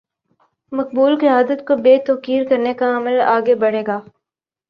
مقبول قیادت کو بے توقیر کرنے کا عمل آگے بڑھے گا۔